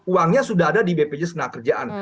uangnya sudah ada di bpjs ketenagakerjaan